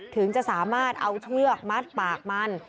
ถึงจะสามารถเอาเชือกมัดปากมัน